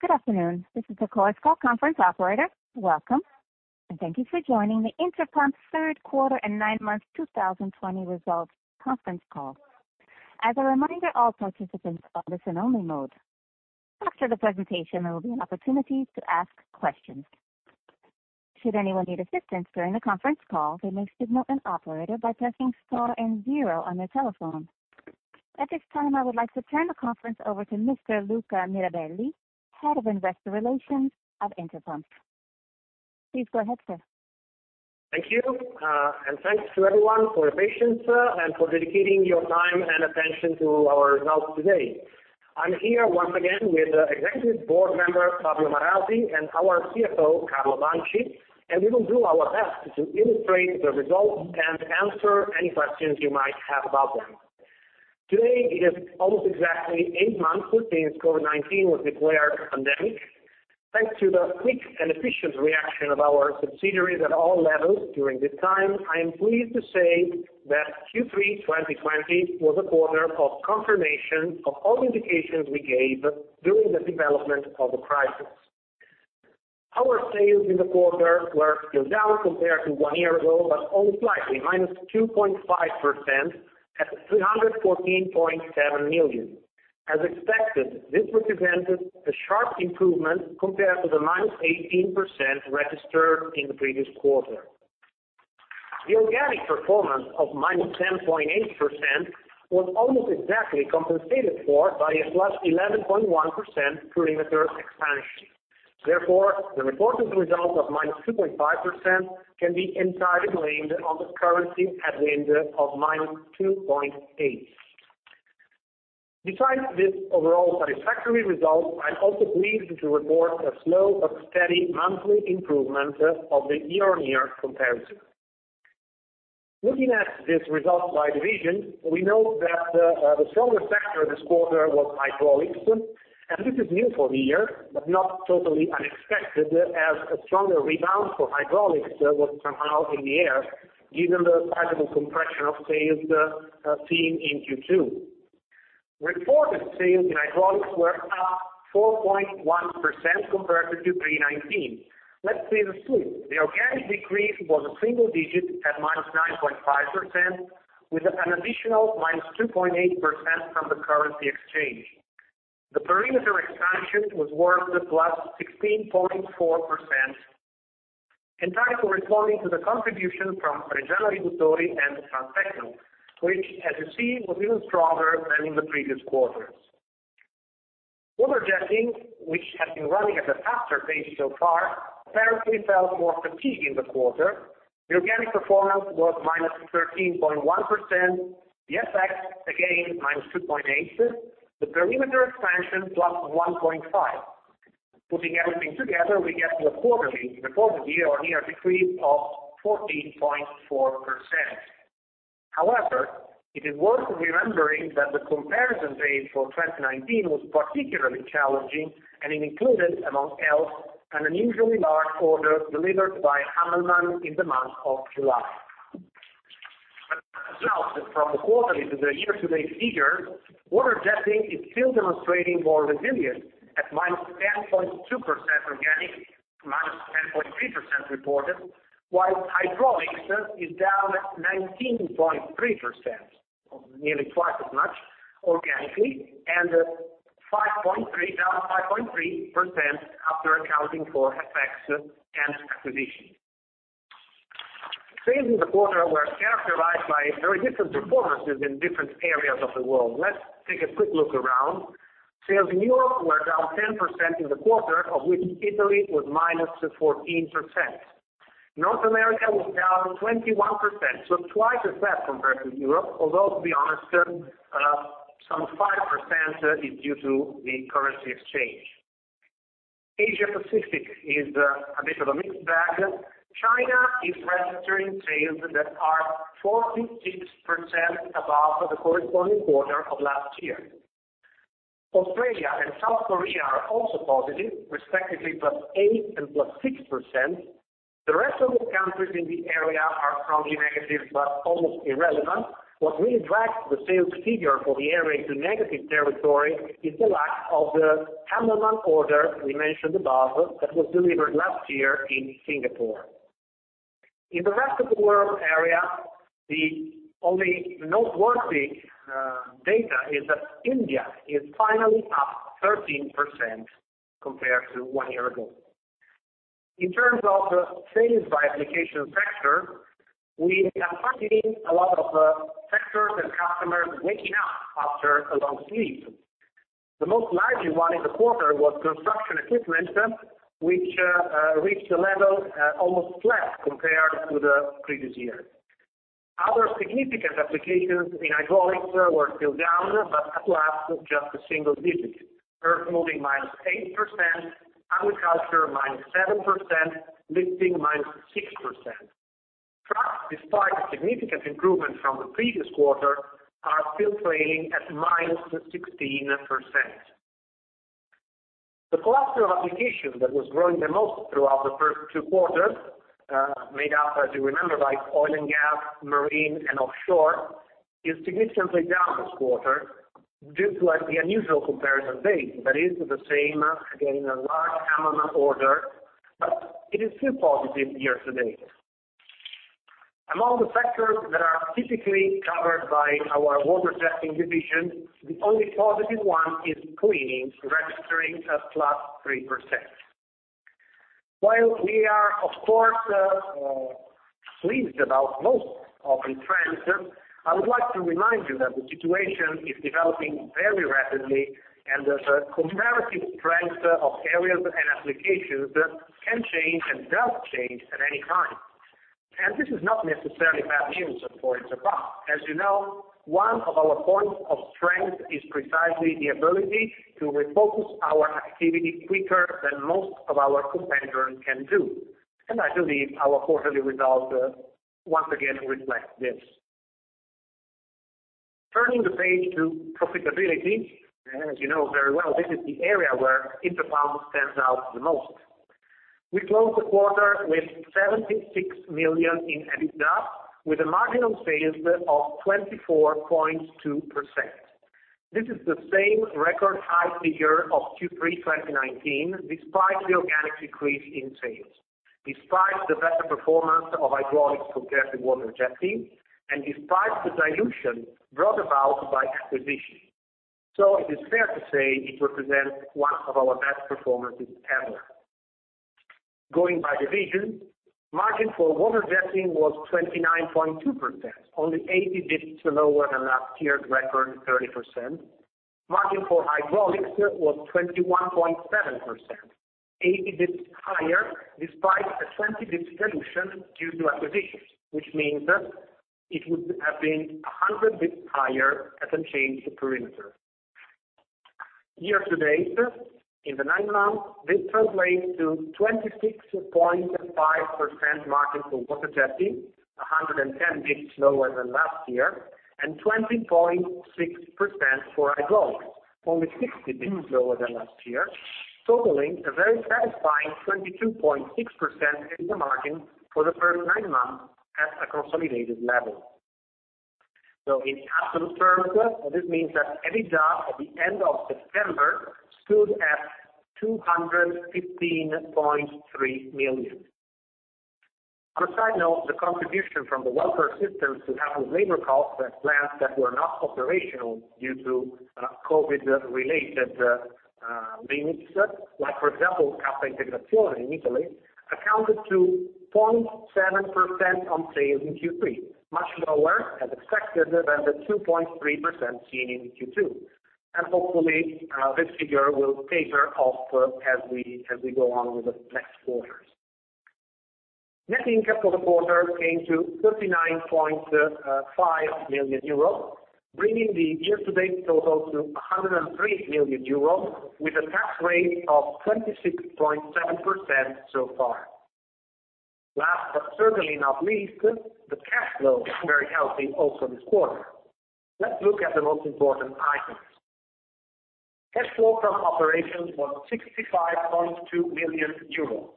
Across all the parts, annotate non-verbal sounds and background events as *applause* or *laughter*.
Good afternoon. This is the Chorus Call conference operator. Welcome, and thank you for joining the Interpump third quarter and nine month 2020 results conference call. As a reminder, all participants are in listen-only mode. After the presentation, there will be an opportunity to ask questions. Should anyone need assistance during the conference call, they may signal an operator by pressing star and zero on their telephone. At this time, I would like to turn the conference over to Mr. Luca Mirabelli, Head of Investor Relations at Interpump. Please go ahead, sir. Thank you. Thanks to everyone for your patience and for dedicating your time and attention to our results today. I'm here once again with executive board member, Fabio Marasi, and our CFO, Carlo Banci, and we will do our best to illustrate the results and answer any questions you might have about them. Today is almost exactly eight months since COVID-19 was declared a pandemic. Thanks to the quick and efficient reaction of our subsidiaries at all levels during this time, I am pleased to say that Q3 2020 was a quarter of confirmation of all indications we gave during the development of the crisis. Our sales in the quarter were still down compared to one year ago, but only slightly, -2.5% at 314.7 million. As expected, this represented a sharp improvement compared to the -18% registered in the previous quarter. The organic performance of -10.8% was almost exactly compensated for by a +11.1% perimeter expansion. Therefore, the reported result of -2.5% can be entirely blamed on the currency headwind of -2.8%. Besides this overall satisfactory result, I am also pleased to report a slow but steady monthly improvement of the year-on-year comparison. Looking at this result by division, we note that the stronger sector this quarter was Hydraulics, and this is new for the year, but not totally unexpected, as a stronger rebound for Hydraulics was somehow in the air given the sizable compression of sales seen in Q2. Reported sales in Hydraulics were up 4.1% compared to 2019. Let's see the split. The organic decrease was a single-digit at -9.5%, with an additional -2.8% from the currency exchange. The perimeter expansion was worth +16.4%, entirely corresponding to the contribution from Reggiana Riduttori and Transtecno, which as you see, was even stronger than in the previous quarters. Water-Jetting, which has been running at a faster pace so far, apparently felt more fatigue in the quarter. The organic performance was -13.1%. The FX, again, -2.8%. The perimeter expansion, +1.5%. Putting everything together, we get to a quarterly, reported year-on-year decrease of 14.4%. It is worth remembering that the comparison base for 2019 was particularly challenging, and it included, among else, an unusually large order delivered by Hammelmann in the month of July. As we move from the quarterly to the year-to-date figure, Water-Jetting is still demonstrating more resilience at -10.2% organic, -10.3% reported, while hydraulics is down 19.3%, nearly twice as much organically, and down 5.3% after accounting for FX and acquisitions. Sales in the quarter were characterized by very different performances in different areas of the world. Let's take a quick look around. Sales in Europe were down 10% in the quarter, of which Italy was -14%. North America was down 21%, so twice as bad compared to Europe, although, to be honest, some 5% is due to the currency exchange. Asia Pacific is a bit of a mixed bag. China is registering sales that are 46% above the corresponding quarter of last year. Australia and South Korea are also positive, respectively, +8% and +6%. The rest of the countries in the area are strongly negative, but almost irrelevant. What really drags the sales figure for the area into negative territory is the lack of the Hammelmann order we mentioned above that was delivered last year in Singapore. In the rest of the world area, the only noteworthy data is that India is finally up 13% compared to one year ago. In terms of sales by application sector, we are finding a lot of sectors and customers waking up after a long sleep. The most lively one in the quarter was construction equipment, which reached a level almost flat compared to the previous year. Other significant applications in hydraulics were still down, but at last, just a single digit. Earthmoving, -8%, agriculture, -7%, lifting, -6%. Trucks, despite a significant improvement from the previous quarter, are still trailing at -16%. The cluster of applications that was growing the most throughout the first two quarters. Made up, as you remember, by oil and gas, marine, and offshore, is significantly down this quarter, due to the unusual comparison base that is the same, again, a large Hammelmann order, but it is still positive year to date. Among the sectors that are typically covered by our Water-Jetting division, the only positive one is cleaning, registering at plus 3%. While we are, of course, pleased about most of the trends, I would like to remind you that the situation is developing very rapidly and that the comparative strength of areas and applications can change and does change at any time. This is not necessarily bad news for Interpump. As you know, one of our points of strength is precisely the ability to refocus our activity quicker than most of our competitors can do. I believe our quarterly results, once again, reflect this. Turning the page to profitability, as you know very well, this is the area where Interpump stands out the most. We closed the quarter with 76 million in EBITDA, with a margin on sales of 24.2%. This is the same record high figure of Q3 2019, despite the organic decrease in sales, despite the better performance of Hydraulics compared to Water-Jetting, and despite the dilution brought about by acquisitions. It is fair to say it represents one of our best performances ever. Going by division, margin for Water-Jetting was 29.2%, only 80 basis points lower than last year's record, 30%. Margin for Hydraulics was 21.7%, 80 basis points higher despite a 20 basis points dilution due to acquisitions, which means it would have been 100 basis points higher as unchanged perimeter. Year to date, in the nine months, this translates to 26.5% margin for Water-Jetting, 110 basis points lower than last year, and 20.6% for hydraulics, only 60 basis points lower than last year, totaling a very satisfying 22.6% EBITDA margin for the first nine months at a consolidated level. In absolute terms, this means that EBITDA at the end of September stood at 215.3 million. On a side note, the contribution from the welfare systems to cover labor costs at plants that were not operational due to COVID-related limits, like, for example, Cassa Integrazione in Italy, accounted to 0.7% on sales in Q3, much lower, as expected, than the 2.3% seen in Q2. Hopefully, this figure will taper off as we go on with the next quarters. Net income for the quarter came to 39.5 million euros, bringing the year-to-date total to 103 million euros, with a tax rate of 26.7% so far. Last, but certainly not least, the cash flow is very healthy also this quarter. Let's look at the most important items. Cash flow from operations was 65.2 million euros,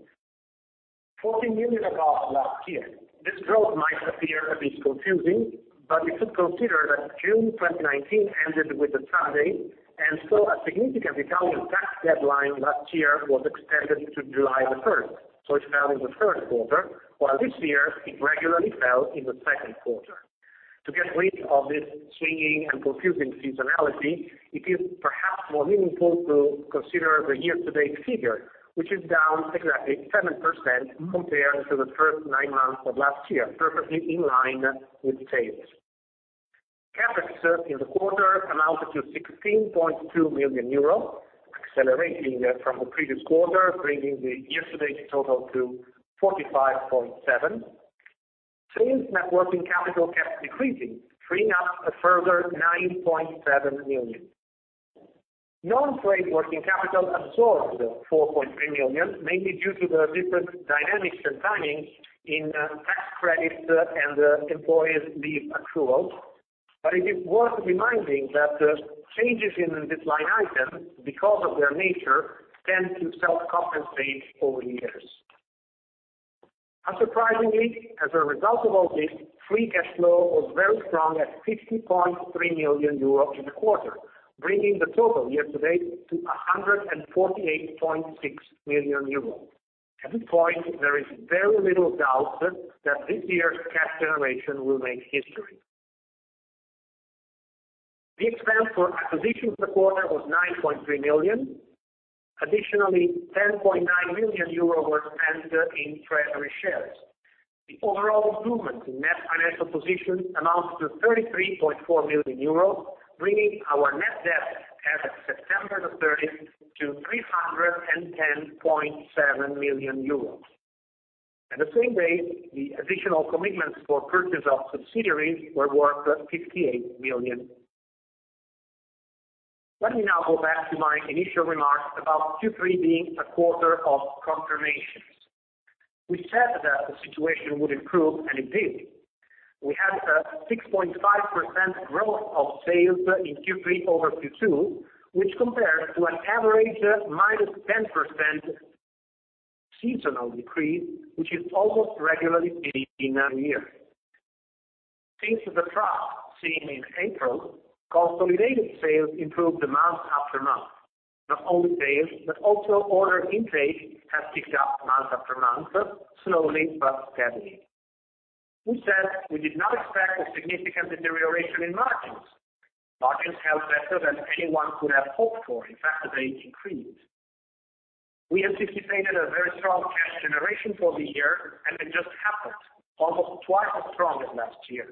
14 million above last year. This growth might appear a bit confusing, but we should consider that June 2019 ended with a Sunday, and so a significant Italian tax deadline last year was extended to July the 1st, so it fell in the third quarter, while this year it regularly fell in the second quarter. To get rid of this swinging and confusing seasonality, it is perhaps more meaningful to consider the year-to-date figure, which is down exactly 7% compared to the first nine months of last year, perfectly in line with sales. CapEx in the quarter amounted to 16.2 million euro, accelerating from the previous quarter, bringing the year-to-date total to 45.7 million. Sales net working capital kept decreasing, freeing up a further 9.7 million. Non-trade working capital absorbed 4.3 million, mainly due to the different dynamics and timing in tax credits and employees leave accruals. It is worth reminding that changes in this line item, because of their nature, tend to self-compensate over years. Unsurprisingly, as a result of all this, free cash flow was very strong at 50.3 million euros in the quarter, bringing the total year to date to 148.6 million euros. At this point, there is very little doubt that this year's cash generation will make history. The expense for acquisitions in the quarter was 9.3 million. Additionally, 10.9 million euro were spent in treasury shares. The overall improvement in net financial position amounts to 33.4 million euros, bringing our net debt as at September the 30th to 310.7 million euros. At the same day, the additional commitments for purchase of subsidiaries were worth 58 million. Let me now go back to my initial remarks about Q3 being a quarter of confirmations. We said that the situation would improve, and it did. We had a 6.5% growth of sales in Q3 over Q2, which compares to an average minus 10% seasonal decrease, which is almost regularly seen every year. Since the trough seen in April, consolidated sales improved month after month. Not only sales, but also order intake has ticked up month after month, slowly but steadily. We said we did not expect a significant deterioration in margins. Margins held better than anyone could have hoped for. In fact, they increased. We anticipated a very strong cash generation for the year, and it just happened, almost twice as strong as last year.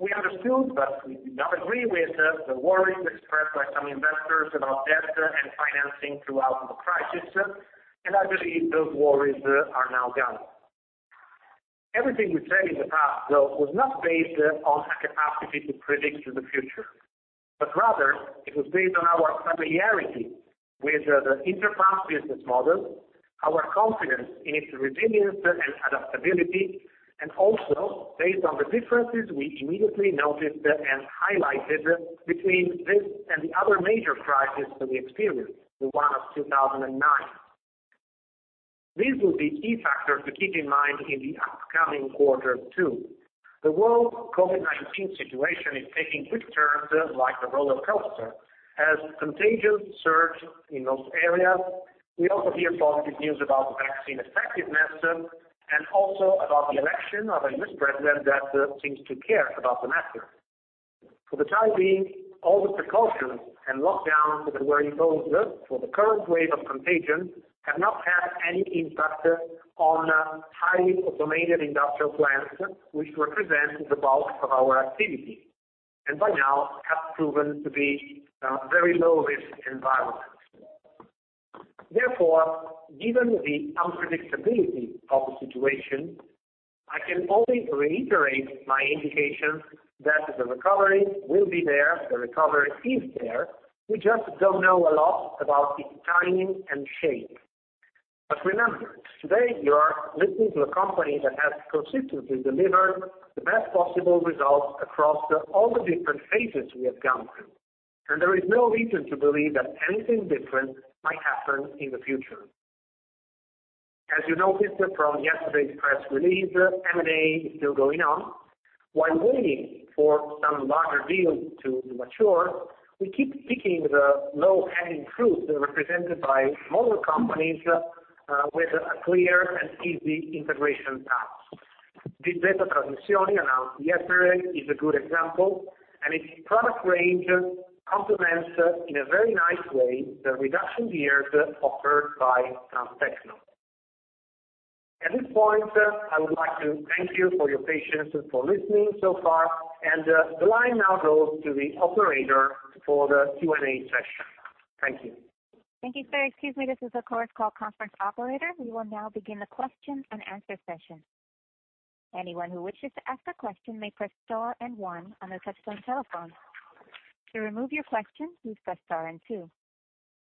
We understood, but we did not agree with the worries expressed by some investors about debt and financing throughout the crisis, and I believe those worries are now gone. Everything we said in the past, though, was not based on a capacity to predict the future, but rather it was based on our familiarity with the Interpump business model, our confidence in its resilience and adaptability, and also based on the differences we immediately noticed and highlighted between this and the other major crisis that we experienced, the one of 2009. These will be key factors to keep in mind in the upcoming quarter too. The world COVID-19 situation is taking quick turns like a rollercoaster. As contagion surge in most areas, we also hear positive news about vaccine effectiveness and also about the election of a new president that seems to care about the matter. For the time being, all the precautions and lockdowns that were imposed for the current wave of contagion have not had any impact on highly automated industrial plants, which represents the bulk of our activity, and by now have proven to be very low risk environments. Therefore, given the unpredictability of the situation, I can only reiterate my indication that the recovery will be there, the recovery is there. We just don't know a lot about its timing and shape. Remember, today you are listening to a company that has consistently delivered the best possible results across all the different phases we have gone through, and there is no reason to believe that anything different might happen in the future. As you noticed from yesterday's press release, M&A is still going on. While waiting for some larger deals to mature, we keep picking the low-hanging fruit represented by smaller companies, with a clear and easy integration path. DZ Trasmissioni, announced yesterday, is a good example, and its product range complements, in a very nice way, the reduction gears offered by Transtecno. At this point, I would like to thank you for your patience for listening so far, and the line now goes to the operator for the Q&A session. Thank you. Thank you sir, excuse me this is a *audio distortion* conference call operator. We will now begin the question and answer session. Anyone who wishes to ask a question my press star and one on their touch-tone telephone. To remove your question, please press star and two.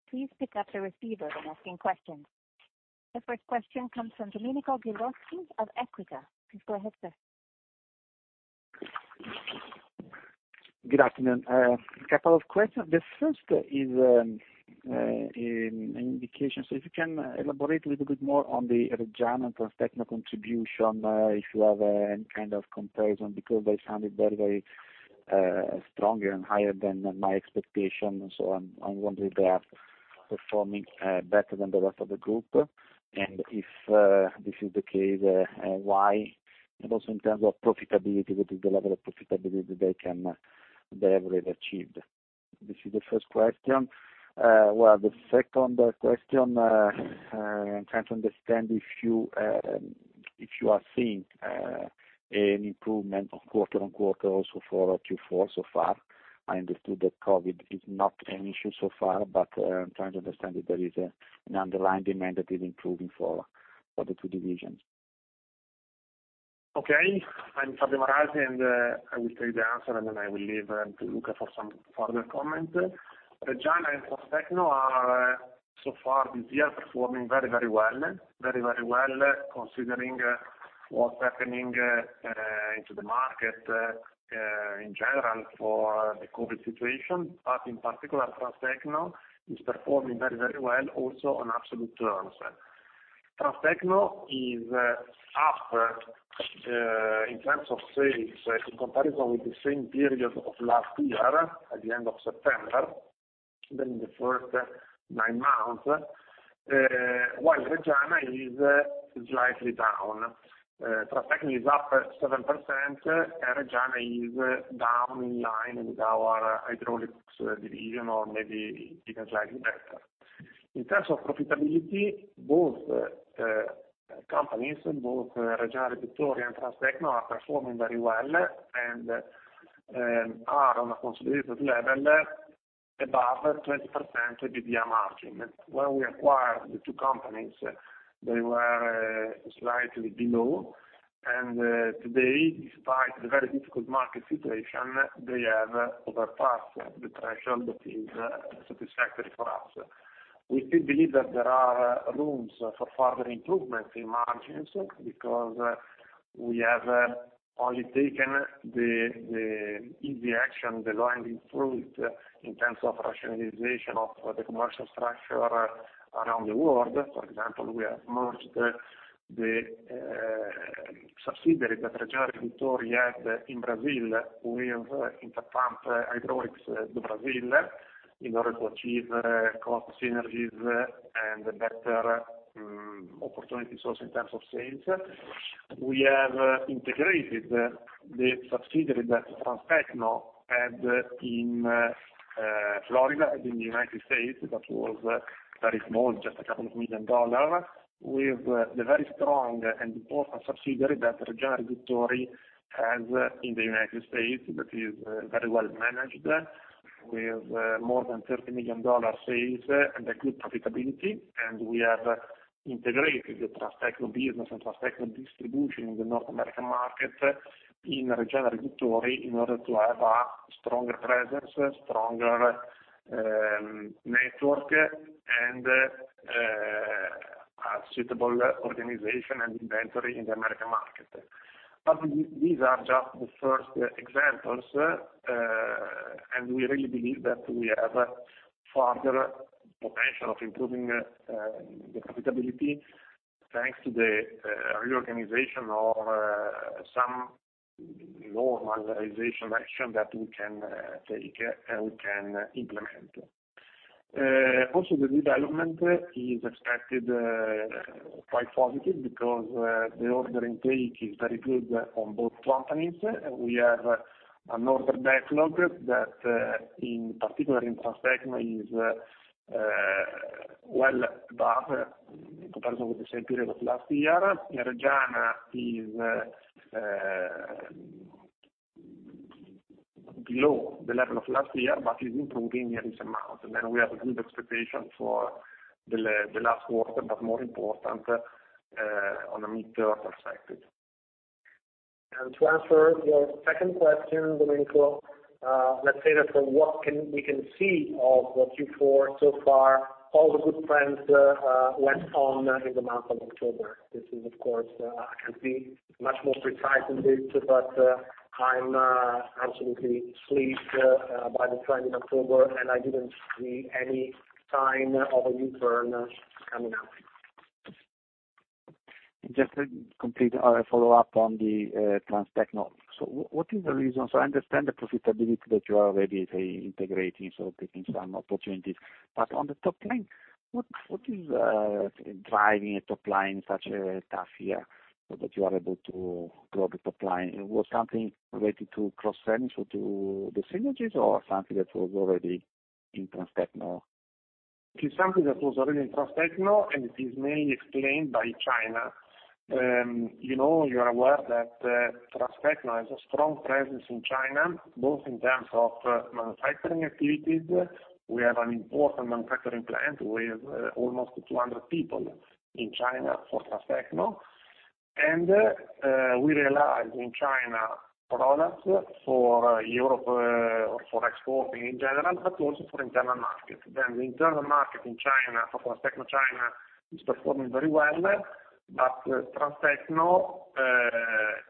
Please pick up the receivers when asking questions. The first question comes from Domenico Ghilotti of Equita. Please go ahead, sir. Good afternoon. A couple of questions. The first is an indication, so if you can elaborate a little bit more on the Reggiana and Transtecno contribution, if you have any kind of comparison, because they sounded very, very stronger and higher than my expectation. I'm wondering, they are performing better than the rest of the group, and if this is the case, why? Also in terms of profitability, what is the level of profitability they have really achieved? This is the first question. The second question, I'm trying to understand if you are seeing an improvement on quarter-on-quarter also for Q4 so far. I understood that COVID is not an issue so far. I'm trying to understand if there is an underlying demand that is improving for the two divisions. Okay. I'm Fabio Marasi, and I will take the answer, and then I will leave to Luca for some further comment. Reggiana and Transtecno are so far this year performing very, very well. Very, very well considering what's happening into the market in general for the COVID situation. In particular, Transtecno is performing very, very well also on absolute terms. Transtecno is up in terms of sales in comparison with the same period of last year, at the end of September, then the first nine months, while Reggiana is slightly down. Transtecno is up 7%, and Reggiana is down in line with our hydraulics division, or maybe even slightly better. In terms of profitability, both companies, both Reggiana Riduttori and Transtecno, are performing very well and are on a consolidated level above 20% EBITDA margin. When we acquired the two companies, they were slightly below. Today, despite the very difficult market situation, they have surpassed the threshold that is satisfactory for us. We still believe that there are rooms for further improvements in margins, because we have only taken the easy action, the low-hanging fruit, in terms of rationalization of the commercial structure around the world. For example, we have merged the subsidiary that Reggiana Riduttori had in Brazil with Interpump Hydraulics Brasil, in order to achieve cost synergies and better opportunities also in terms of sales. We have integrated the subsidiary that Transtecno had in Florida, in the U.S., that was very small, just $2 million, with the very strong and important subsidiary that Reggiana Riduttori has in the U.S., that is very well managed, with more than $30 million sales and a good profitability. We have integrated the Transtecno business and Transtecno distribution in the North American market in Reggiana Riduttori, in order to have a stronger presence, stronger network, and a suitable organization and inventory in the American market. These are just the first examples, and we really believe that we have further potential of improving the profitability, thanks to the reorganization or some normalization action that we can take and we can implement. Also, the development is expected quite positive, because the order intake is very good on both companies. We have an order backlog that, in particular in Transtecno, is well above comparison with the same period of last year. Reggiana is below the level of last year, but is improving every month. We have a good expectation for the last quarter, but more important, on a mid-term perspective. To answer your second question, Domenico, let's say that from what we can see of Q4 so far, all the good trends went on in the month of October. This is, of course, I can't be much more precise than this, but I'm absolutely pleased by the trend in October, and I didn't see any sign of a U-turn coming up. Just to complete a follow-up on the Transtecno. I understand the profitability that you are already integrating, so taking some opportunities. On the top line, what is driving top line such a tough year, so that you are able to grow the top line? Was it something related to cross-selling, so to the synergies, or something that was already in Transtecno? It's something that was already in Transtecno, it is mainly explained by China. You are aware that Transtecno has a strong presence in China, both in terms of manufacturing activities. We have an important manufacturing plant with almost 200 people in China for Transtecno. We realize in China, products for Europe or for exporting in general, but also for internal market. The internal market in China, for Transtecno China, is performing very well. Transtecno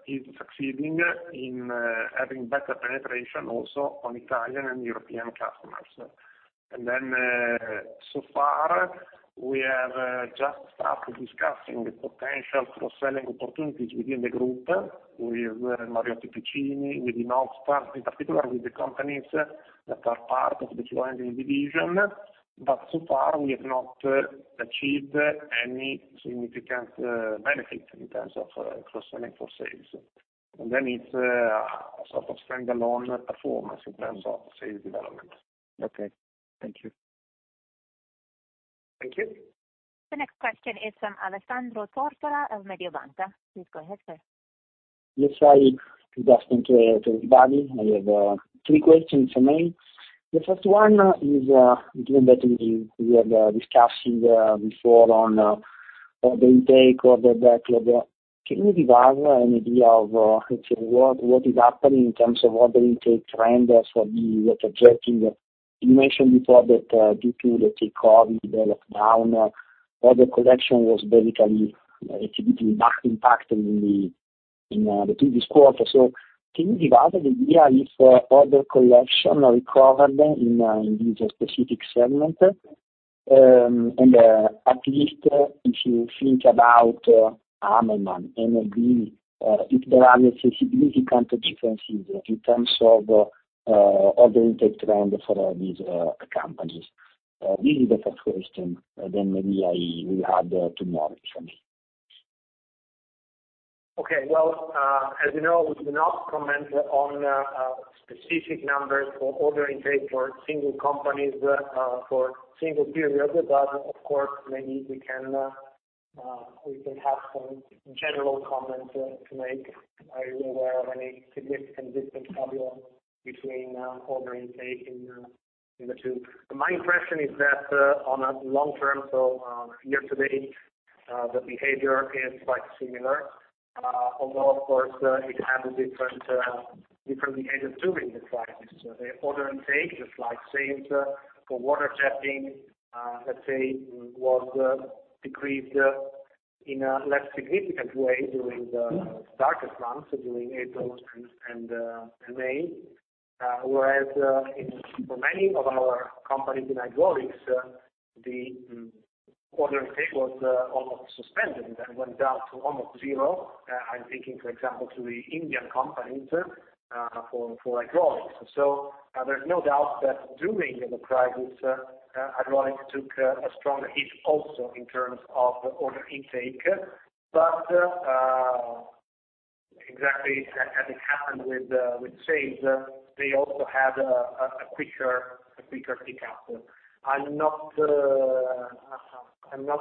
is succeeding in having better penetration also on Italian and European customers. So far, we have just started discussing potential cross-selling opportunities within the group, with Mariotti & Pecini, with Inoxpa, in particular with the companies that are part of the Water-Jetting division. So far, we have not achieved any significant benefit in terms of cross-selling for sales. It's a sort of standalone performance in terms of sales development. Okay. Thank you. Thank you. The next question is from Alessandro Tortora of Mediobanca. Please go ahead, sir. Yes. Hi. Good afternoon to everybody. I have three questions for me. The first one is given that we had discussed before on order intake, order backlog. Can you give us an idea of what is happening in terms of order intake trend for the Reggiana? You mentioned before that due to the COVID, the lockdown, order collection was basically negatively impacted in the previous quarter. Can you give us an idea if order collection recovered in this specific segment? At least, if you think about Hammelmann, NLB, if there are significant differences in terms of order intake trend for these companies. This is the first question, maybe I will add two more for me. Okay. Well, as you know, we do not comment on specific numbers for order intake for single companies, for single periods. Of course, maybe we can have some general comments to make. Are you aware of any significant difference Fabio, between order intake in the two? My impression is that on a long term, so year to date. The behavior is quite similar, although, of course, it had a different behavior during the crisis. The order intake, just like sales for Water-Jetting, let's say, was decreased in a less significant way during the darkest months, during April and May. For many of our companies in hydraulics, the order intake was almost suspended and went down to almost zero. I'm thinking, for example, to the Indian companies for hydraulics. There's no doubt that during the crisis, hydraulics took a strong hit also in terms of order intake. Exactly as it happened with sales, they also had a quicker pick-up. I'm not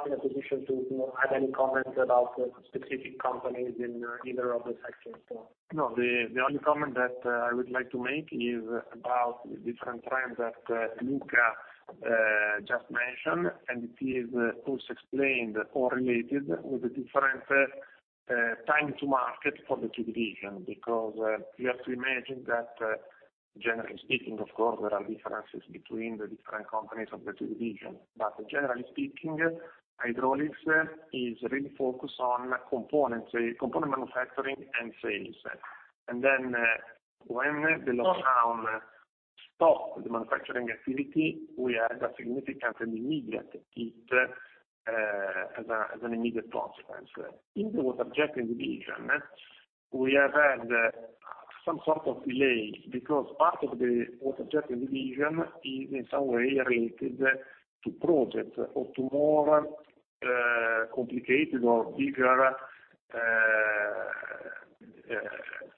in a position to have any comment about specific companies in either of the sectors. No, the only comment that I would like to make is about the different trends that Luca just mentioned, it is also explained or related with the different time to market for the two divisions. You have to imagine that, generally speaking, of course, there are differences between the different companies of the two divisions. Generally speaking, hydraulics is really focused on component manufacturing and sales. When the lockdown stopped the manufacturing activity, we had a significant and immediate hit as an immediate consequence. In the Water-Jetting division, we have had some sort of delay, because part of the Water-Jetting division is in some way related to projects or to more complicated or bigger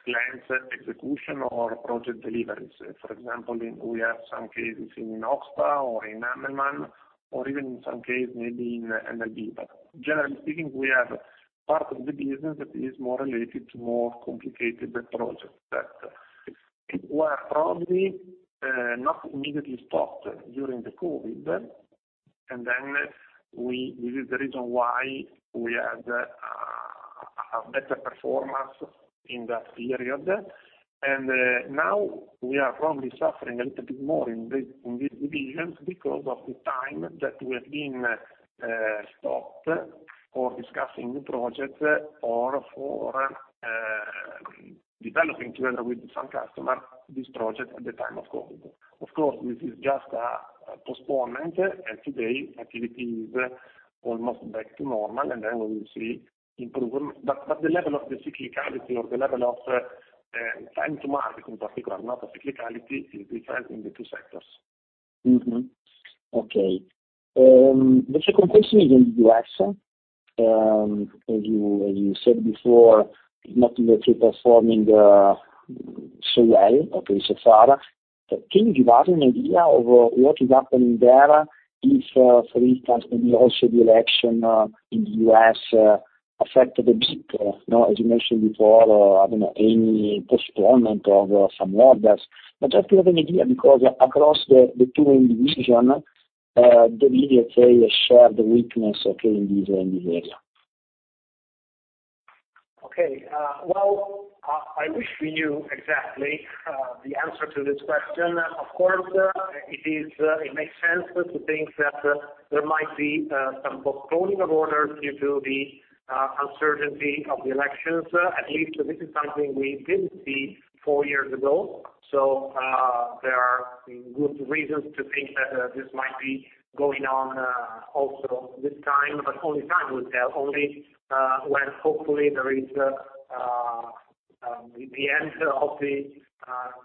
plans, execution, or project deliveries. For example, we have some cases in Inoxpa or in Hammelmann, or even in some case maybe in NLB. Generally speaking, we have part of the business that is more related to more complicated projects that were probably not immediately stopped during the COVID-19. This is the reason why we had a better performance in that period. Now we are probably suffering a little bit more in this division because of the time that we have been stopped for discussing the project or for developing together with some customer this project at the time of COVID-19. Of course, this is just a postponement, and today activity is almost back to normal, we will see improvement. The level of the cyclicality or the level of time to market, in particular, not the cyclicality, is different in the two sectors. Okay. The second question is in the U.S. As you said before, not really performing so well, okay, so far. Can you give us an idea of what is happening there? If, for instance, maybe also the election in the U.S. affected a bit, as you mentioned before, I don't know, any postponement of some orders. Just to have an idea, because across the two divisions, the media say a shared weakness, okay, in this area. Okay. Well, I wish we knew exactly the answer to this question. Of course, it makes sense to think that there might be some postponing of orders due to the uncertainty of the elections. At least this is something we didn't see four years ago. There are good reasons to think that this might be going on also this time. Only time will tell. Only when, hopefully, there is the end of the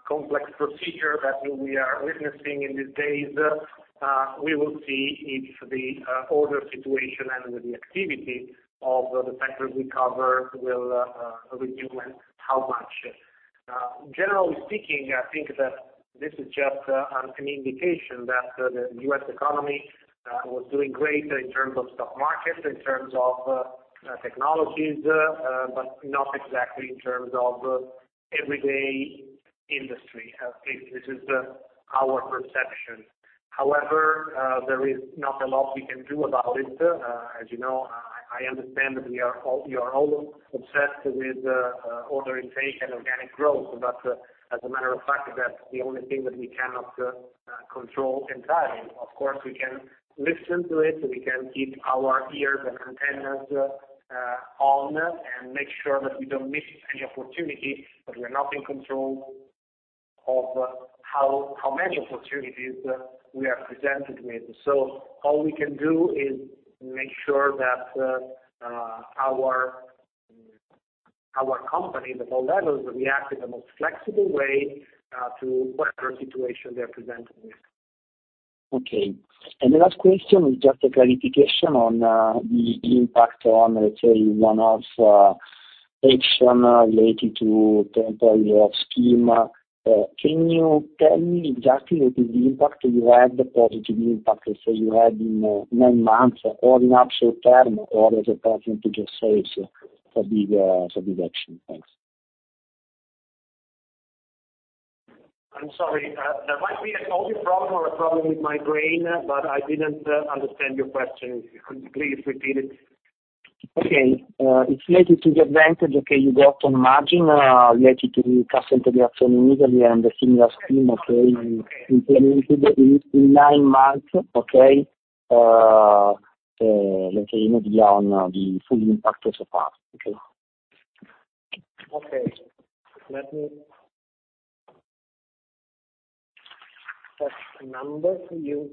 complex procedure that we are witnessing in these days, we will see if the order situation and the activity of the sectors we cover will resume, and how much. Generally speaking, I think that this is just an indication that the U.S. economy was doing great in terms of stock market, in terms of technologies. Not exactly in terms of everyday industry. At least, this is our perception. However, there is not a lot we can do about it. As you know, I understand that we are all obsessed with order intake and organic growth, but as a matter of fact, that's the only thing that we cannot control entirely. Of course, we can listen to it, we can keep our ears and antennas on and make sure that we don't miss any opportunity, but we're not in control of how many opportunities we are presented with. All we can do is make sure that our company, at all levels, react in the most flexible way to whatever situation they are presented with. Okay. The last question is just a clarification on the impact on, let's say, one-off action related to temporary scheme. Can you tell me exactly what is the impact you had, the positive impact, let's say, you had in nine months, or in absolute term, or as a percentage of sales for the action? Thanks. I'm sorry. There might be an audio problem or a problem with my brain, but I didn't understand your question. If you could please repeat it. It's related to the advantage you got on margin, related to Cassa Integrazione in Italy and the similar scheme implemented in nine months. Let's say maybe on the full impact so far. Okay. Let me get the number for you.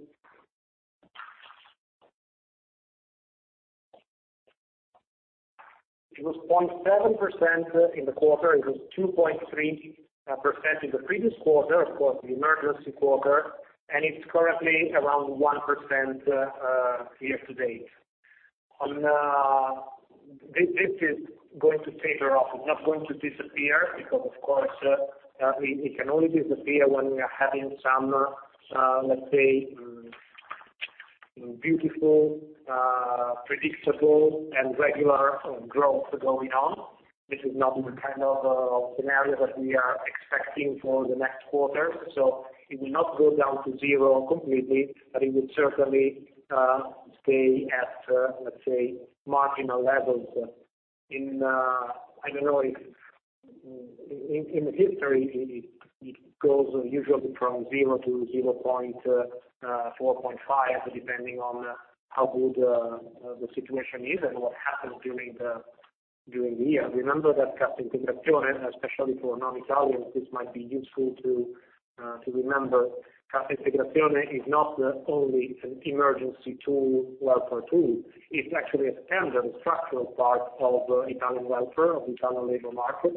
It was 0.7% in the quarter. It was 2.3% in the previous quarter, of course, the emergency quarter. It's currently around 1% year to date. This is going to taper off. It's not going to disappear. Of course, it can only disappear when we are having some, let's say, beautiful, predictable, and regular growth going on. This is not the kind of scenario that we are expecting for the next quarter. It will not go down to zero completely. It will certainly stay at, let's say, marginal levels. In history, it goes usually from zero to 4.5%, depending on how good the situation is and what happens during the year. Remember that Cassa Integrazione, especially for non-Italians, this might be useful to remember, Cassa Integrazione is not only an emergency tool, welfare tool. It's actually a standard structural part of Italian welfare, of Italian labor market.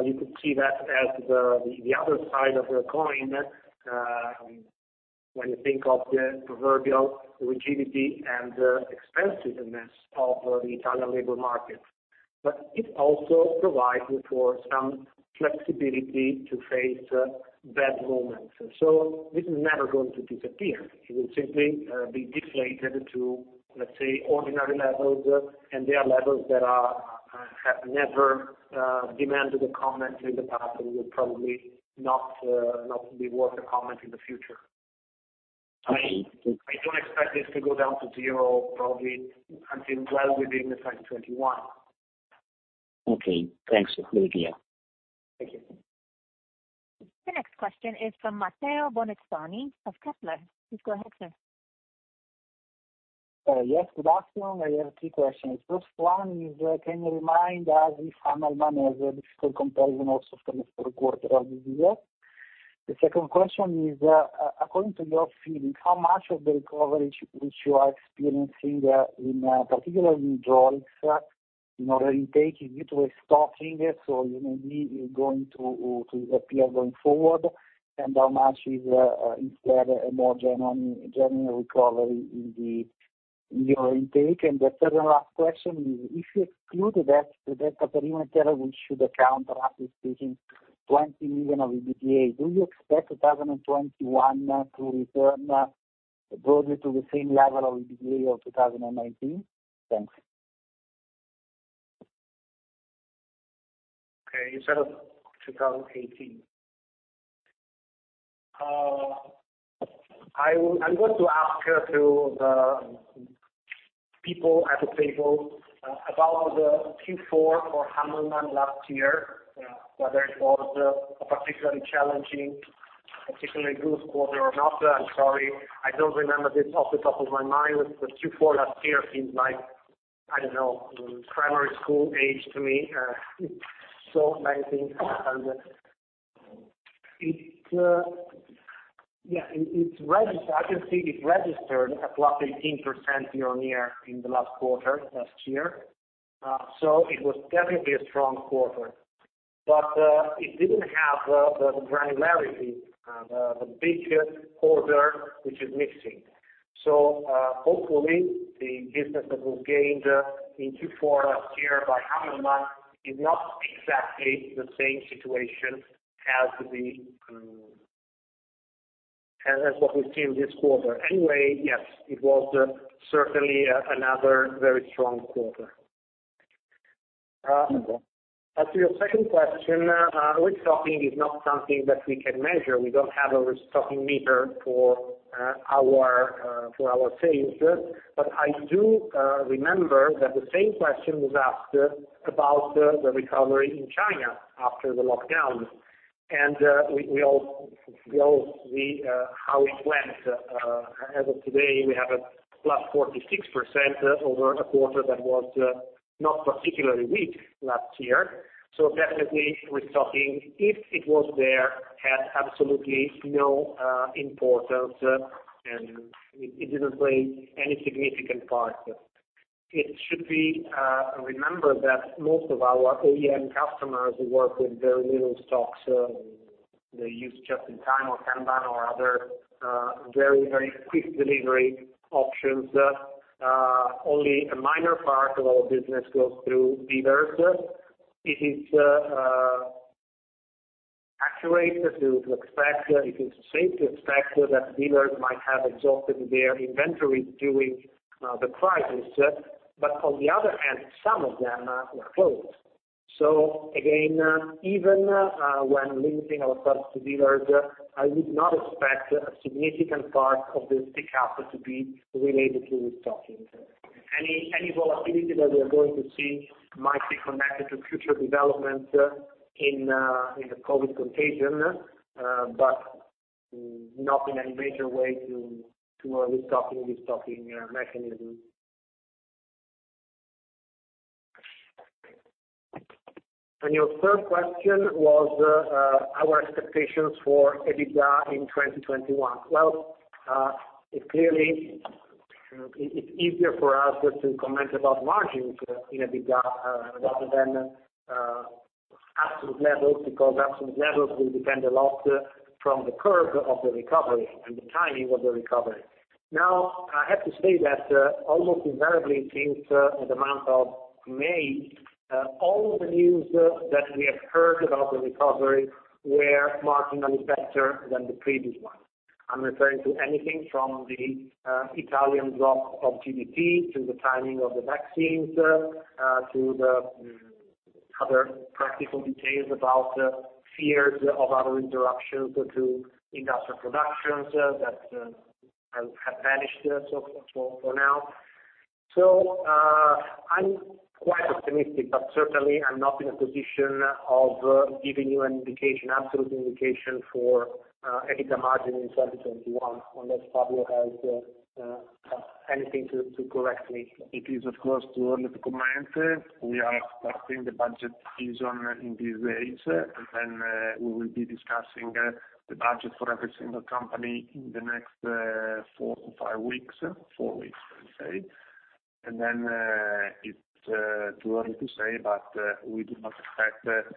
You could see that as the other side of the coin, when you think of the proverbial rigidity and expensiveness of the Italian labor market. It also provides for some flexibility to face bad moments. This is never going to disappear. It will simply be deflated to, let's say, ordinary levels, and they are levels that have never demanded a comment in the past and will probably not be worth a comment in the future. Okay. I don't expect this to go down to zero, probably until well within 2021. Okay. Thanks. Very clear. Thank you. The next question is from Matteo Bonizzoni of Kepler. Please go ahead, sir. Yes, good afternoon. I have two questions. First one is, can you remind us if Hammelmann has a difficult comparison also for next quarter of this year? The second question is, according to your feeling, how much of the recovery which you are experiencing, in particular in hydraulics, in order intake is due to restocking, so maybe is going to disappear going forward? How much is, instead, a more genuine recovery in your intake? The third and last question is, if you exclude that perimeter, which should account, roughly speaking, 20 million of EBITDA, do you expect 2021 to return broadly to the same level of EBITDA of 2019? Thanks. Okay. You said of 2018? I'm going to ask to the people at the table about the Q4 for Hammelmann last year, whether it was a particularly challenging, particularly good quarter or not. I'm sorry, I don't remember this off the top of my mind. The Q4 last year seems like primary school age to me, so 1900. I can see it registered a plus 18% year-on-year in the last quarter, last year. It was definitely a strong quarter. It didn't have the granularity, the big order, which is missing. Hopefully, the business that was gained in Q4 last year by Hammelmann is not exactly the same situation as what we see this quarter. Yes, it was certainly another very strong quarter. Thank you. As to your second question, restocking is not something that we can measure. We don't have a restocking meter for our sales. I do remember that the same question was asked about the recovery in China after the lockdown, and we all see how it went. As of today, we have a +46% over a quarter that was not particularly weak last year. Definitely, restocking, if it was there, had absolutely no importance, and it didn't play any significant part. It should be remembered that most of our OEM customers work with very little stocks. They use just-in-time or kanban or other very, very quick delivery options. Only a minor part of our business goes through dealers. It is accurate to expect, it is safe to expect that dealers might have exhausted their inventory during the crisis. On the other hand, some of them were closed. Again, even when limiting our products to dealers, I would not expect a significant part of this pickup to be related to restocking. Any volatility that we are going to see might be connected to future development in the COVID contagion, but not in any major way to a restocking mechanism. Your third question was our expectations for EBITDA in 2021. Clearly, it's easier for us to comment about margins in EBITDA rather than absolute levels, because absolute levels will depend a lot on the curve of the recovery and the timing of the recovery. I have to say that almost invariably since the month of May, all the news that we have heard about the recovery were marginally better than the previous ones. I'm referring to anything from the Italian drop of GDP to the timing of the vaccines, to the other practical details about fears of other interruptions to industrial productions that have vanished so far for now. I'm quite optimistic, but certainly I'm not in a position of giving you an absolute indication for EBITDA margin in 2021, unless Fabio has anything to correct me. It is, of course, too early to comment. We are starting the budget season in these days, we will be discussing the budget for every single company in the next four to five weeks. Four weeks, let's say. It's too early to say, but we do not expect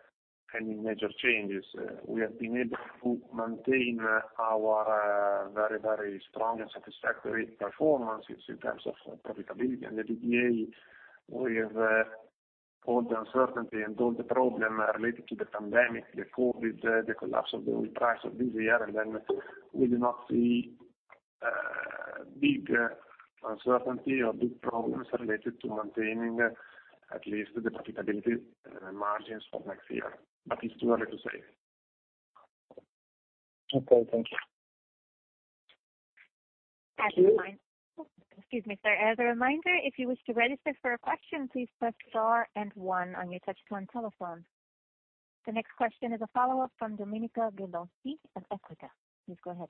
any major changes. We have been able to maintain our very strong and satisfactory performance in terms of profitability and EBITDA with all the uncertainty and all the problems related to the pandemic, the COVID, the collapse of the oil price of this year, we do not see big uncertainty or big problems related to maintaining at least the profitability margins for next year. It's too early to say. Okay, thank you. Excuse me, sir. As a reminder, if you wish to register for a question, please press star and one on your touchtone telephone. The next question is a follow-up from Domenico Ghilotti of Equita. Please go ahead.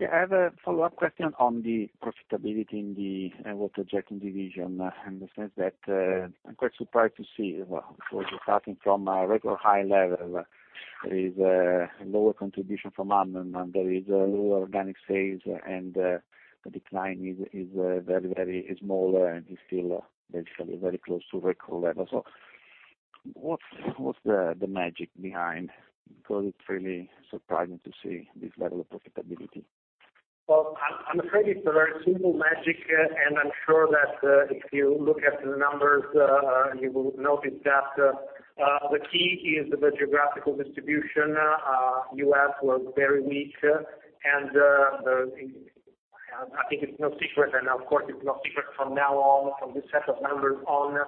Yeah, I have a follow-up question on the profitability in the Water-Jetting division in the sense that I'm quite surprised to see, well, of course, you're starting from a regular high level. There is a lower contribution from Hammelmann, and there is a lower organic phase, and the decline is very small, and is still basically very close to record levels. What's the magic behind? It's really surprising to see this level of profitability. Well, I'm afraid it's a very simple magic, and I am sure that if you look at the numbers, you will notice that the key is the geographical distribution. U.S. was very weak, and I think it's no secret, and of course, it's no secret from now on, from this set of numbers on,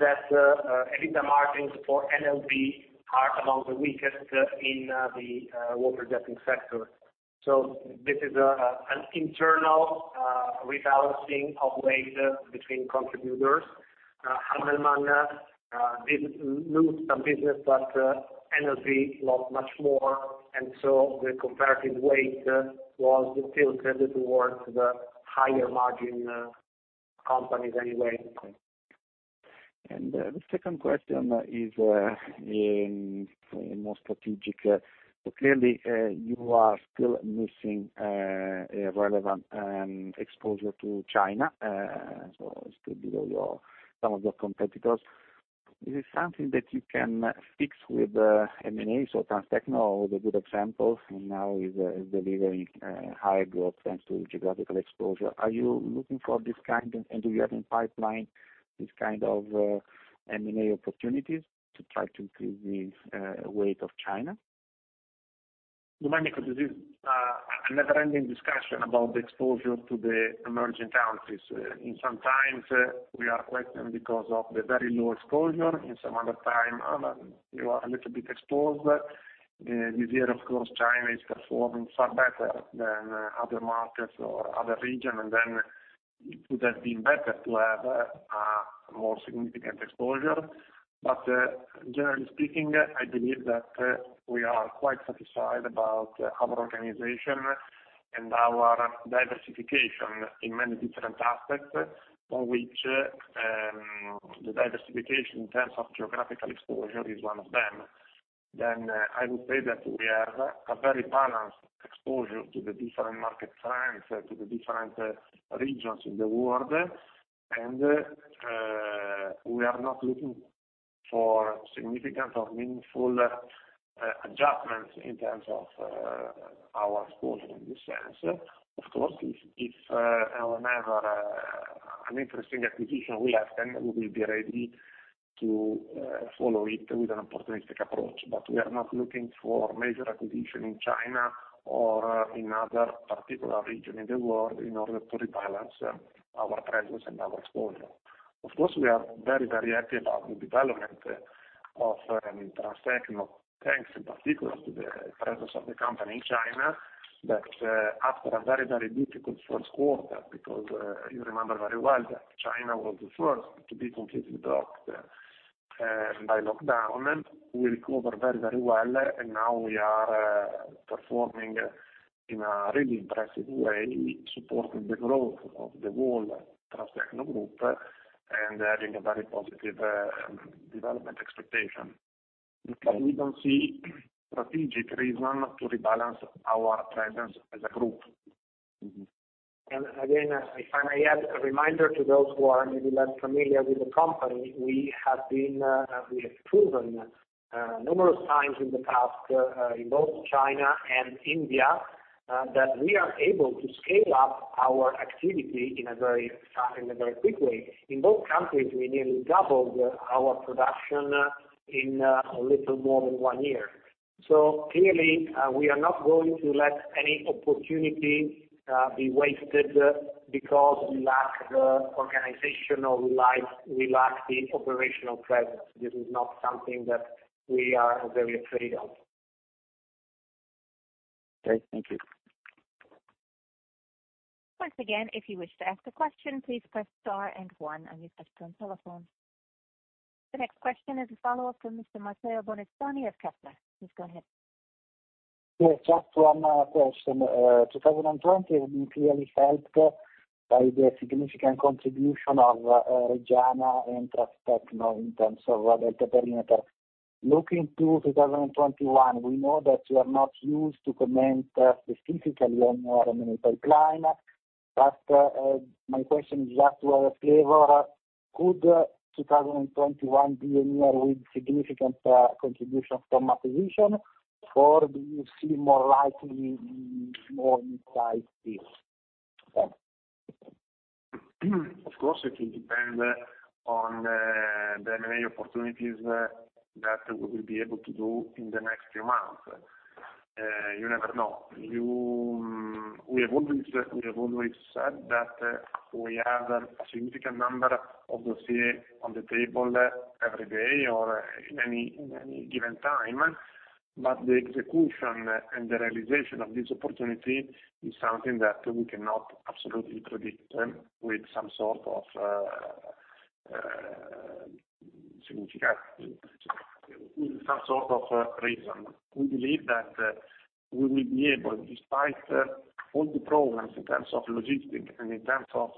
that EBITDA margins for NLB are among the weakest in the Water-Jetting sector. This is an internal rebalancing of weight between contributors. Hammelmann didn't lose some business, but NLB lost much more, and so the comparative weight was tilted towards the higher margin companies anyway. The second question is more strategic. Clearly, you are still missing a relevant exposure to China, so it could be some of your competitors. Is it something that you can fix with M&A? Transtecno is a good example, and now is delivering high growth thanks to geographical exposure. Are you looking for this kind, and do you have in pipeline this kind of M&A opportunities to try to increase this weight of China? Domenico, this is a never-ending discussion about the exposure to the emerging countries. In some times, we are questioned because of the very low exposure. In some other time, you are a little bit exposed. This year, of course, China is performing far better than other markets or other regions, it would have been better to have a more significant exposure. Generally speaking, I believe that we are quite satisfied about our organization and our diversification in many different aspects, of which the diversification in terms of geographical exposure is one of them. I would say that we have a very balanced exposure to the different market trends, to the different regions in the world, and we are not looking for significant or meaningful adjustments in terms of our exposure in this sense. Of course, if or whenever an interesting acquisition will happen, we will be ready to follow it with an opportunistic approach. We are not looking for major acquisition in China or in other particular region in the world in order to rebalance our presence and our exposure. Of course, we are very happy about the development of Transtecno, thanks in particular to the presence of the company in China. After a very difficult first quarter, because you remember very well that China was the first to be completely blocked by lockdown, we recovered very well, and now we are performing in a really impressive way, supporting the growth of the whole Transtecno Group and having a very positive development expectation. We don't see a strategic reason to rebalance our presence as a group. Again, if I may add a reminder to those who are maybe less familiar with the company, we have proven numerous times in the past, in both China and India, that we are able to scale up our activity in a very quick way. In both countries, we nearly doubled our production in a little more than one year. Clearly, we are not going to let any opportunity be wasted because we lack the organizational life, we lack the operational presence. This is not something that we are very afraid of. Okay. Thank you. Once again, if you wish to ask a question, please press star and one on your touch-tone telephone. The next question is a follow-up from Mr. Matteo Bonizzoni of Kepler. Please go ahead. Yeah, just one question. 2020 has been clearly helped by the significant contribution of Reggiana and Transtecno in terms of delta perimeter. Looking to 2021, we know that you are not used to comment specifically on your M&A pipeline, my question is just to have a flavor, could 2021 be a year with significant contributions from acquisition, or do you see more likely more inside this? Thanks. Of course, it will depend on the M&A opportunities that we will be able to do in the next few months. You never know. We have always said that we have a significant number of dossiers on the table every day or at any given time, but the execution and the realization of this opportunity is something that we cannot absolutely predict with some sort of reason. We believe that we will be able, despite all the problems in terms of logistics and in terms of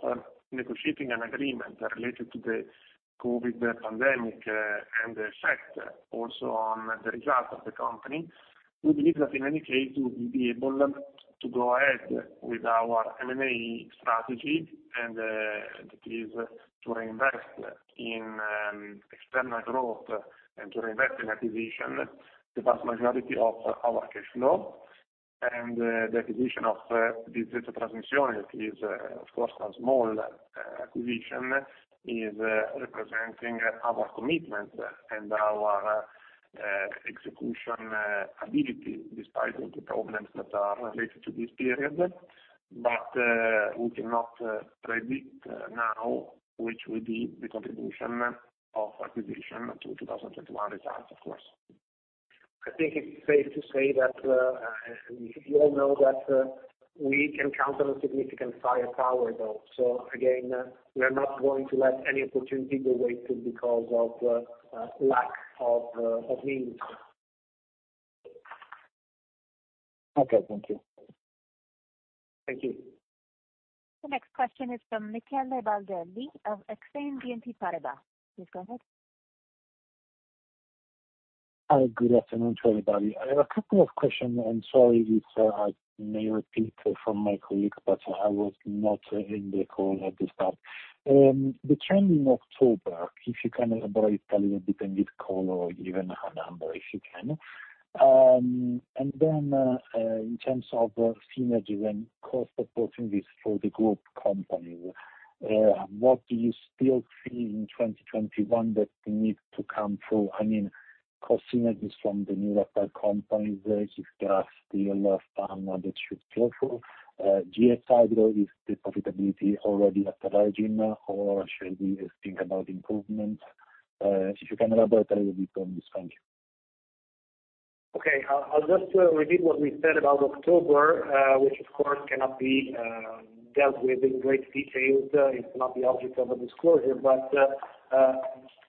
negotiating an agreement related to the COVID pandemic and the effect also on the results of the company, we believe that in any case, we will be able to go ahead with our M&A strategy, and that is to reinvest in external growth and to reinvest in acquisition, the vast majority of our cash flow. The acquisition of this DZ Trasmissioni, which is, of course, a small acquisition, is representing our commitment and our execution ability despite all the problems that are related to this period. We cannot predict now which will be the contribution of acquisition to 2021 results, of course. I think it's safe to say that, we all know that we can count on a significant firepower, though. Again, we are not going to let any opportunity go wasted because of lack of means. Okay. Thank you. Thank you. The next question is from Michele Baldelli of BNP Paribas Exane. Please go ahead. Hi, good afternoon to everybody. I have a couple of questions. Sorry if I may repeat from my colleague, I was not in the call at the start. The trend in October, if you can elaborate a little bit and give color or even a number, if you can. In terms of synergy and cost opportunities for the group companies, what do you still see in 2021 that needs to come through? I mean, cost synergies from the newly acquired companies, if there are still some that should flow through. GS-Hydro, though, is the profitability already at the margin, or should we think about improvements? If you can elaborate a little bit on this. Thank you. I'll just repeat what we said about October, which, of course, cannot be dealt with in great detail. It's not the object of a disclosure,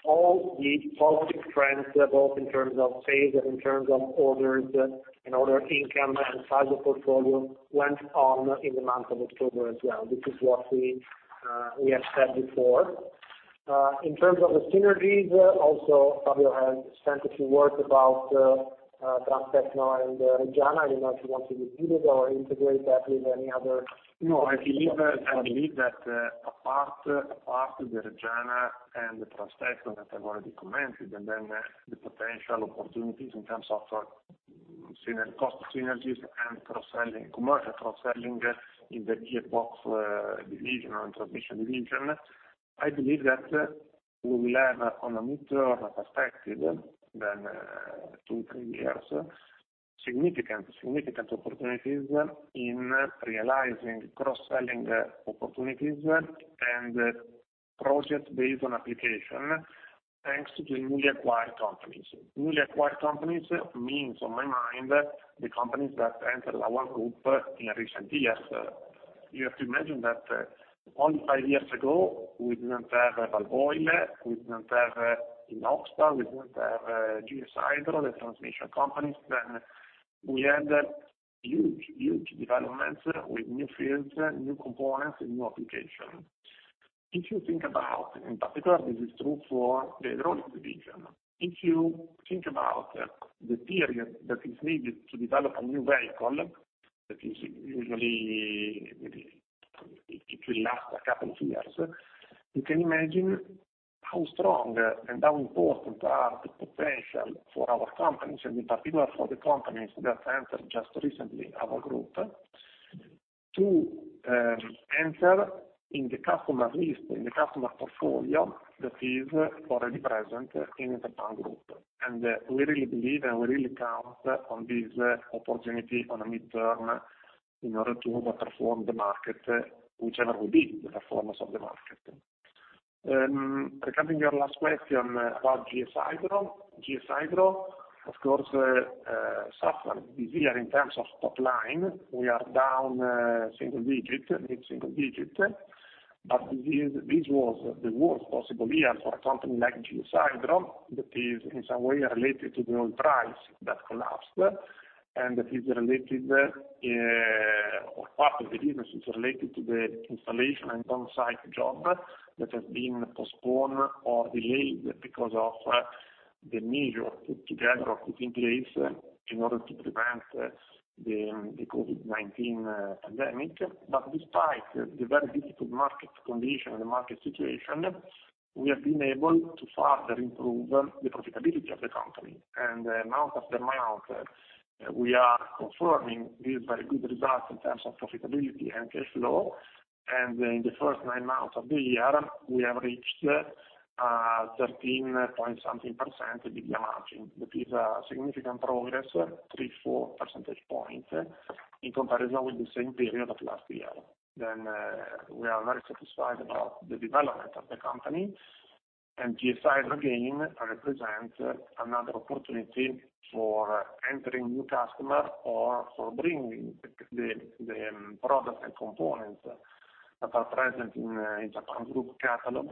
all the positive trends, both in terms of sales and in terms of orders and order income and size of portfolio, went on in the month of October as well, which is what we have said before. In terms of the synergies, also, Fabio has said a few words about Transtecno and Reggiana. I don't know if you want to repeat it or integrate that with any other. I believe that apart the Reggiana and the Transtecno that I've already commented, and then the potential opportunities in terms of cost synergies and commercial cross-selling in the gearbox division or transmission division, I believe that we will have on a mid-term perspective than two, three years. Significant opportunities in realizing cross-selling opportunities and project based on application, thanks to the newly acquired companies. Newly acquired companies means, on my mind, the companies that entered our group in recent years. You have to imagine that only five years ago, we didn't have Walvoil, we didn't have Inoxpa, we didn't have GS-Hydro, the transmission companies. We had huge developments with new fields, new components, and new applications. In particular, this is true for the hydraulics division. If you think about the period that is needed to develop a new vehicle, that is usually, it will last a couple of years. You can imagine how strong and how important are the potential for our companies, and in particular, for the companies that entered just recently our group, to enter in the customer list, in the customer portfolio that is already present in Interpump Group. We really believe and we really count on this opportunity on a midterm in order to outperform the market, whichever will be the performance of the market. Regarding your last question about GS-Hydro. GS-Hydro, of course, suffered this year in terms of top line. We are down mid single digit. This was the worst possible year for a company like GS-Hydro, that is in some way related to the oil price that collapsed, and part of the business is related to the installation and on-site job that has been postponed or delayed because of the measure put together or put in place in order to prevent the COVID-19 pandemic. Despite the very difficult market condition and the market situation, we have been able to further improve the profitability of the company. Month after month, we are confirming these very good results in terms of profitability and cash flow. In the first nine months of the year, we have reached 13 point something % EBITDA margin. That is a significant progress, three, four percentage points, in comparison with the same period of last year. We are very satisfied about the development of the company, and GS-Hydro, again, represents another opportunity for entering new customer or for bringing the product and component that are present in Interpump Group catalog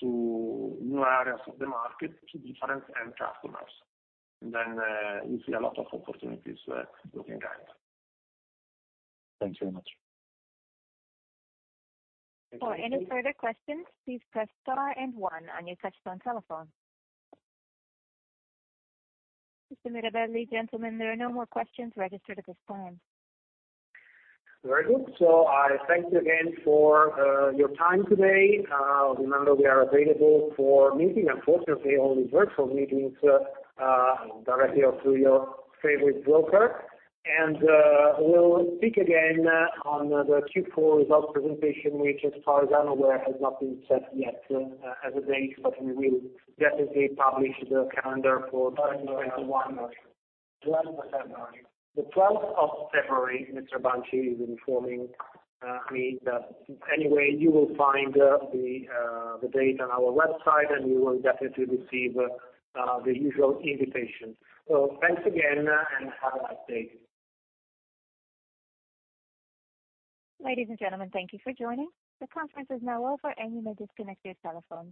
to new areas of the market, to different end customers. We see a lot of opportunities looking ahead. Thanks very much. For any further questions, please press star and one on your touchtone telephone. Mr. Mirabelli, gentlemen, there are no more questions registered at this time. Very good. I thank you again for your time today. Remember, we are available for meeting, unfortunately, only virtual meetings, directly or through your favorite broker. We will speak again on the Q4 results presentation, which as far as I'm aware, has not been set yet as a date, but we will definitely publish the calendar for 2021. 12th of February. The 12th of February, Mr. Banci is informing me. You will find the date on our website, and you will definitely receive the usual invitation. Thanks again, and have a nice day. Ladies and gentlemen, thank you for joining. The conference is now over, and you may disconnect your telephones.